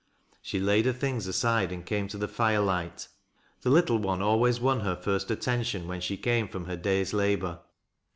She laid her things aside and came to the fire light The little one always won her first attention when she came from her day's labor.